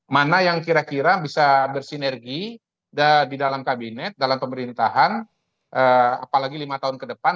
mana yang kira kira bisa bersinergi di dalam kabinet dalam pemerintahan apalagi lima tahun ke depan